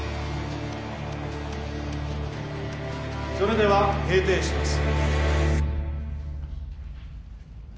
それでは閉廷します。